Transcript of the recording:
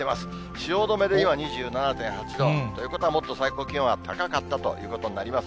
汐留で今、２７．８度。ということは、もっと最高気温は高かったということになります。